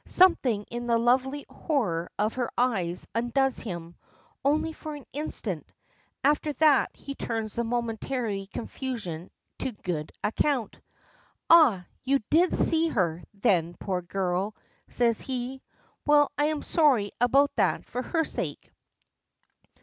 Something in the lovely horror of her eyes undoes him. Only for an instant after that he turns the momentary confusion to good account. "Ah! you did see her, then, poor girl!" says he. "Well, I'm sorry about that for her sake."